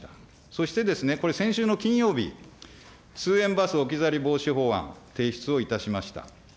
そしてですね、これ、先週の金曜日、通園バス置き去り防止法案、提出をいたしました。